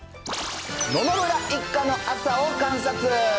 野々村一家の朝を観察。